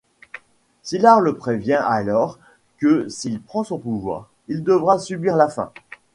Sylar le prévient alors que s'il prend son pouvoir, il devra subir la faim.